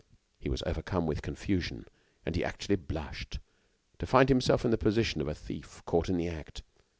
He was overcome with confusion, and he actually blushed to find himself in the position of a thief caught in the act.